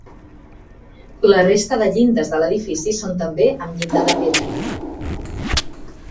La resta de llindes de l'edifici són també amb llinda de pedra.